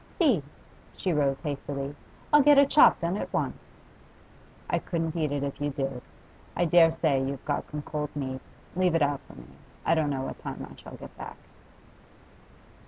'See' she rose hastily 'I'll get a chop done at once.' 'I couldn't eat it if you did. I dare say you've got some cold meat. Leave it out for me; I don't know what time I shall get back.